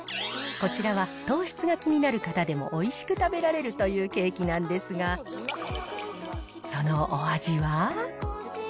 こちらは糖質が気になる方でもおいしく食べられるというケーキなんですが、そのお味は？